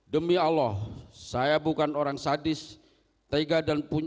demi allah saya bukan orang sadis tega dan punya